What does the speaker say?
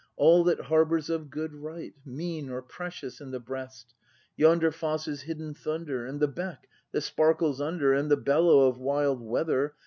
All that harbours of good right, Mean or precious, in the breast. Yonder foss's hidden thunder. And the beck that sparkles under. And the bellow of wild weather.